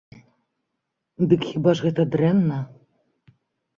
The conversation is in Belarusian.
Дык хіба ж гэта дрэнна?